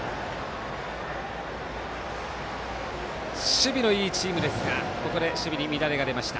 守備のいいチームですがここで守備に乱れが出ました。